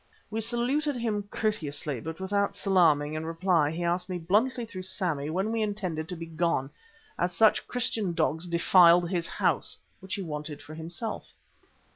We saluted him courteously, but without salaaming in reply he asked me bluntly through Sammy when we intended to be gone, as such "Christian dogs defiled his house," which he wanted for himself.